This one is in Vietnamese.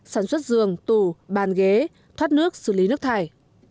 sản xuất giường tủ bàn ghế thoát nước xử lý nước thải